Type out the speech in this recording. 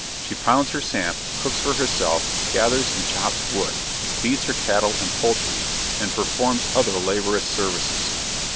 She pounds her samp, cooks for herself, gathers and chops wood, feeds her cattle and poultry, and performs other laborious services.